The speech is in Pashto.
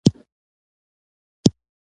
د سړک څراغونه د شپې لید ښه کوي.